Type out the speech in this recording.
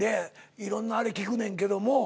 いろんなあれ聞くねんけども。